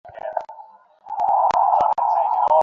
এই দুনিয়াতে আর কারও কী এমন সুখ হবে?